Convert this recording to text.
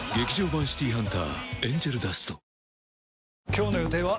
今日の予定は？